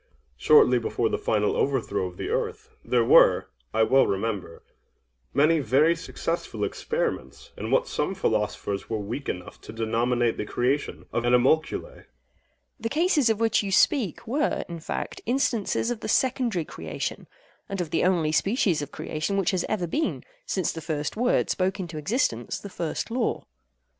Shortly before the final overthrow of the earth, there were, I well remember, many very successful experiments in what some philosophers were weak enough to denominate the creation of animalculæ. AGATHOS. The cases of which you speak were, in fact, instances of the secondary creation—and of the only species of creation which has ever been, since the first word spoke into existence the first law.